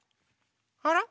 あら？